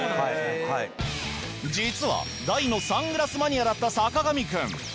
実は大のサングラスマニアだった坂上くん。